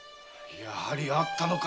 やはりあったのか。